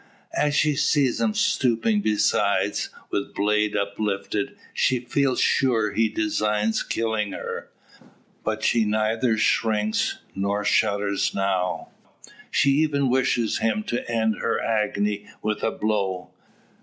As she sees him stooping beside, with blade uplifted, she feels sure he designs killing her. But she neither shrinks, nor shudders now. She even wishes him to end her agony with a blow.